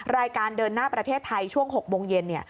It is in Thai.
รายการเดินหน้าประเทศไทยช่วง๖โมงเย็น